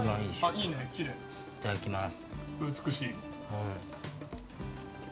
いただきます。